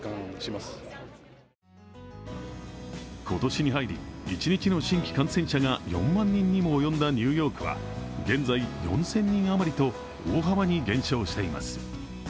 今年に入り、一日の新規感染者が４万人にも及んだニューヨークは現在、４０００人余りと大幅に減少しています。